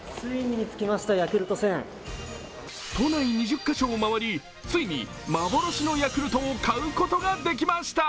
都内２０カ所を回り、ついに幻のヤクルトを買うことができました。